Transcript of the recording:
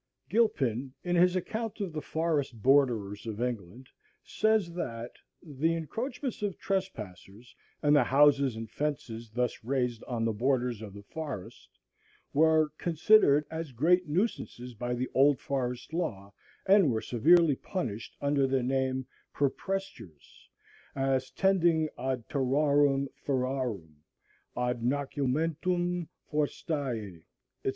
Gilpin, in his account of the forest borderers of England, says that "the encroachments of trespassers, and the houses and fences thus raised on the borders of the forest," were "considered as great nuisances by the old forest law, and were severely punished under the name of purprestures, as tending ad terrorem ferarum—ad nocumentum forestæ, &c.